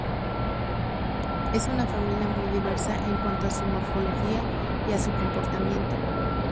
Es una familia muy diversa en cuanto a su morfología y a su comportamiento.